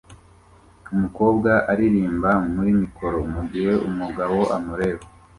Umukobwa aririmba muri mikoro mugihe umugabo amureba